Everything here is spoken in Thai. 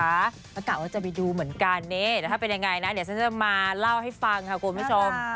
ก็กะว่าจะไปดูเหมือนกันนี่แต่ถ้าเป็นยังไงนะเดี๋ยวฉันจะมาเล่าให้ฟังค่ะคุณผู้ชม